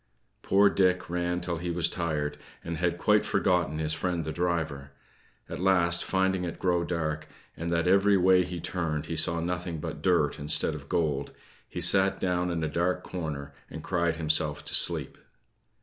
Poor Dick ran till he was tired, and had quite forgotten his friend the driver. At last, finding it grow dark, and that every way he turned he saw nothing but dirt instead of gold, he sat down in a dark corner, and cried himself to sleep.